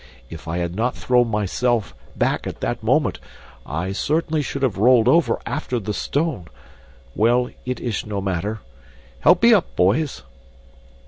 If I had not thrown myself back at that moment, I certainly should have rolled over after the stone. Well, it is no matter. Help me up, boys."